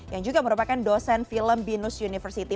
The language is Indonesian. yang juga merupakan dosen film binus university